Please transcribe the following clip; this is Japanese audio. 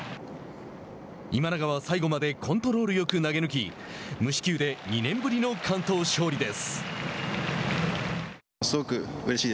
今永は最後までコントロールよく投げ抜き無四球で２年ぶりの完投勝利です。